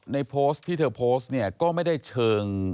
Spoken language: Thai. ในโพสต์ที่เธอโพสต์เนี่ยก็ไม่ได้เชิง